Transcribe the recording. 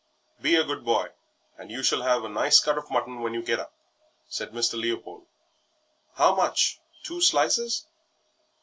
"Be a good boy, and you shall have a nice cut of mutton when you get up," said Mr. Leopold. "How much? Two slices?"